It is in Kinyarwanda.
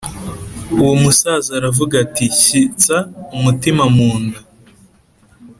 Uwo musaza aravuga ati Shyitsa umutima munda